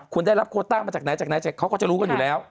คุณได้รับโคต้ามาจากไหนจากไหนเขาก็จะรู้กันอยู่แล้ว